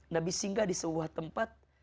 nabi singgah di sebuah tempat